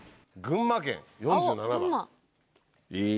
群馬県４７番。